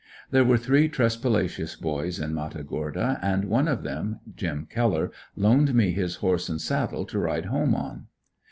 There were three Tresspalacious boys in Matagorda, and one of them, Jim Keller, loaned me his horse and saddle to ride home on.